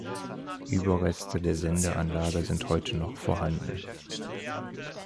Überreste der Sendeanlage sind heute noch vorhanden.